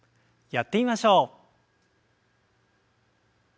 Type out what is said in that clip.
やってみましょう。